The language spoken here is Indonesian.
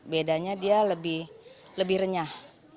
bedanya dia lebih renyah